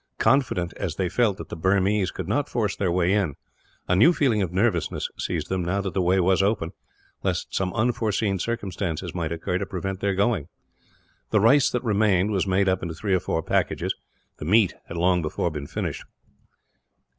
Confident as they felt that the Burmese could not force their way in, a new feeling of nervousness seized them, now that the way was open, lest some unforeseen circumstances might occur to prevent their going. The rice that remained was made up into three or four packages. The meat had long before been finished.